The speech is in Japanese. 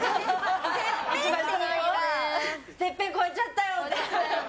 てっぺん越えちゃったよって。